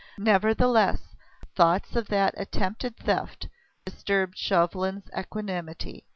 Nevertheless, thoughts of that attempted theft disturbed Chauvelin's equanimity.